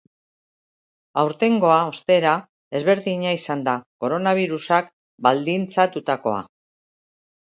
Aurtengoa, ostera, ezberdina izan da, koronabirusak baldintzatutakoa.